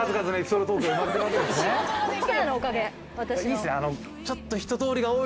いいですね